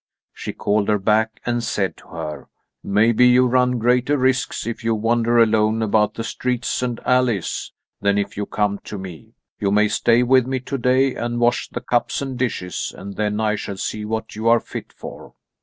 She called her back and said to her: "Maybe you run greater risks if you wander alone about the streets and alleys than if you come to me. You may stay with me today and wash the cups and dishes, and then I shall see what you are fit for."